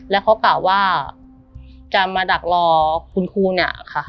แล้วเขากล่าวว่าจะมาดักรอคุณครูเนี่ยค่ะ